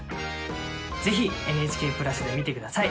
ぜひＮＨＫプラスで見て下さい。